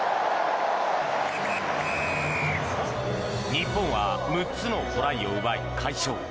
日本は６つのトライを奪い快勝。